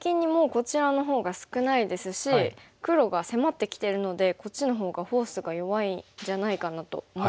こちらのほうが少ないですし黒が迫ってきてるのでこっちのほうがフォースが弱いんじゃないかなと思います。